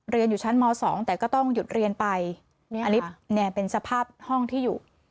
เรียนอยู่ชั้นม๒แต่ก็ต้องหยุดเรียนไปอันนี้เนี่ยเป็นสภาพห้องที่อยู่